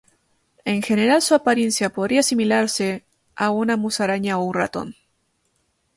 En general su apariencia podría asimilarse a una musaraña o un ratón.